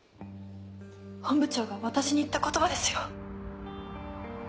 本部長が私に言った言葉ですよ